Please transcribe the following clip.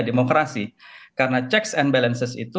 demokrasi karena checks and balances itu